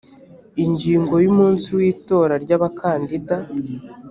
ingingo ya umunsi w itora ry abakandida